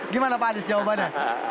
gimana pak andes jawabannya